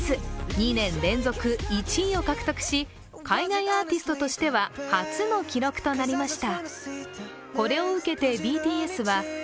２年連続１位を獲得し、海外アーティストとしては初の記録となりました。